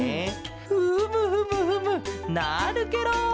フムフムフムなるケロ！